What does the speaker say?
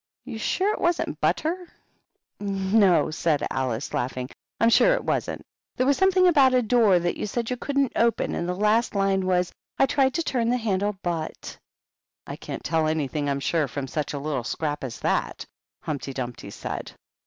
"You're sure it wasn't butter T^ "No," said Alice, laughing; "I'm sure it wasn't. There was something about a door that 94 HUMPTY DUMPTY. you said you couldn't open, and the last line was, —*/ tried to turn the handhy but '"" I can't tell anything, I'm sure, from such a little scrap as that," Humpty Dumpty said.